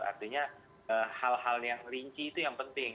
artinya hal hal yang rinci itu yang penting